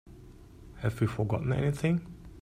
Have we forgotten anything?